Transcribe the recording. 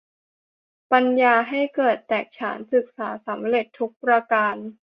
ปัญญาให้เกิดแตกฉาน ศึกษาสำเร็จทุกประการ